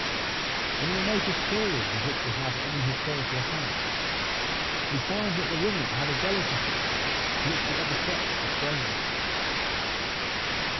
In the remotest periods of which we have any historical account, we find that the women had a delicacy to which the other sex were strangers.